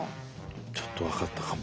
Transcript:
ちょっと分かったかも。